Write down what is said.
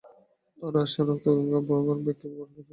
ওরা আসছেন রক্তগঙ্গা বওয়াবার মেকি ভগীরথ।